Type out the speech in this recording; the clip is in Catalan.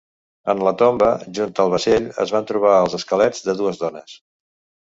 En la tomba, junt amb el vaixell, es van trobar els esquelets de dues dones.